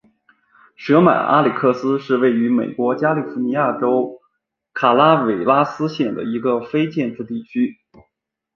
舍曼阿克里斯是位于美国加利福尼亚州卡拉韦拉斯县的一个非建制地区。